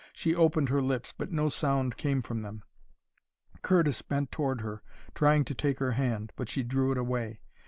She opened her lips, but no sound came from them. Curtis bent toward her, trying to take her hand, but she drew it away.